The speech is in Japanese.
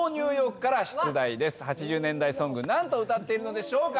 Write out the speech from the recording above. ８０年代ソング何と歌っているのでしょうか？